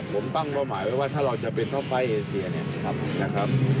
ผมตั้งเป้าหมายไว้ว่าถ้าเราจะเป็นท่อฟ้าเอเซียเนี่ยนะครับ